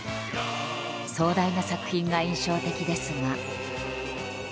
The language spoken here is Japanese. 壮大な作品が印象的ですが。